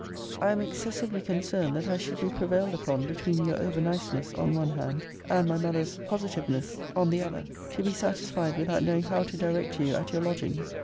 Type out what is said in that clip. >>> I am excessively concerned that I should be pre vailed upon, between your over niceness, on one hand, and my mother's positiveness, on the other, to be satisfied without knowing how to direct to you at your lodgings.